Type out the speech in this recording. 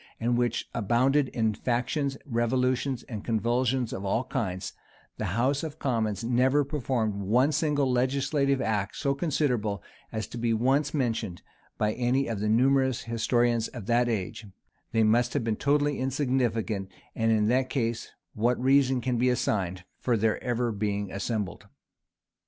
and which abounded in factions, revolutions, and convulsions of all kinds, the house of commons never performed one single legislative act so considerable as to be once mentioned by any of the numerous historians of that age, they must have been totally insignificant: and in that case, what reason can be assigned for their ever being assembled?